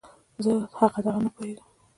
زه هغه دغه نه پوهېږم.